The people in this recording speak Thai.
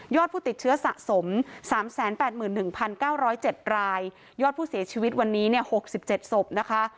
ผู้ติดเชื้อสะสม๓๘๑๙๐๗รายยอดผู้เสียชีวิตวันนี้๖๗ศพนะคะ